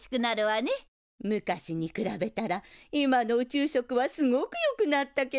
昔に比べたら今の宇宙食はすごくよくなったけど。